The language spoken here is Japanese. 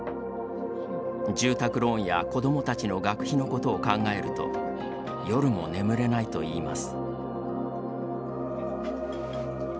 住宅ローンや子どもたちの学費のことを考えると夜も眠れないといいます。